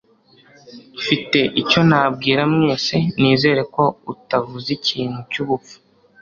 Mfite icyo nabwira mwese Nizere ko utavuze ikintu cyubupfu.